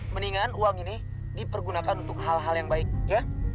mendingan uang ini dipergunakan untuk hal hal yang baik ya